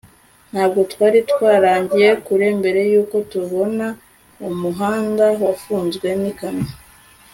ntabwo twari twaragiye kure mbere yuko tubona umuhanda wafunzwe n'ikamyo